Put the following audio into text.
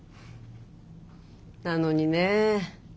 なのにねえ